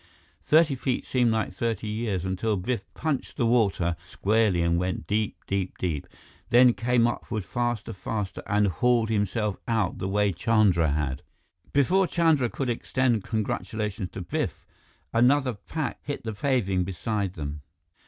Thirty feet seemed like thirty years, until Biff punched the water squarely and went deep, deep, deep, then came upward faster, faster, and hauled himself out the way Chandra had. Before Chandra could extend congratulations to Biff, another pack kit hit the paving beside them.